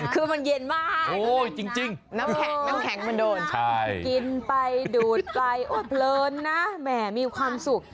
กินไปดูดไปโอ๊ยเปลิญนะแหมมีความสุข